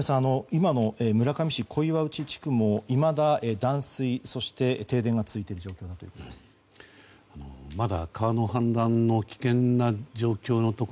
今の村上市小岩内地区もいまだ断水、そして停電が続いている状況だと。